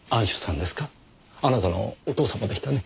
あなたのお父様でしたね？